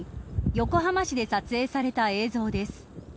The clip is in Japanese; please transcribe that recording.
横浜市で撮影された映像です。